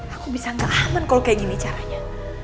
aku bisa gak aman kalau kayak gini caranya